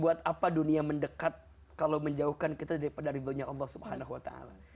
buat apa dunia mendekat kalau menjauhkan kita daripada ridhunya allah subhanahu wa ta'ala